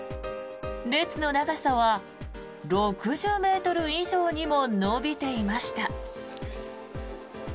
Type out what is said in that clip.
列の長さは６０ｍ以上にも伸びていました。